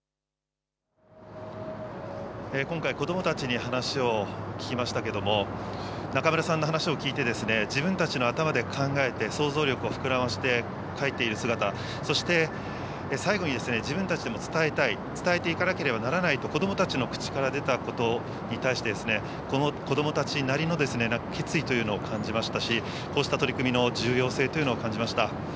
今回、子どもたちに話を聞きましたけれども、中村さんの話を聞いて、自分たちの頭で考えて、想像力を膨らませて描いている姿、そして、最後に自分たちでも伝えたい、伝えていかなければならないと、子どもたちの口から出たことに対して、この子どもたちなりの決意というのを感じましたし、こうした取り組みの重要性というのを感じました。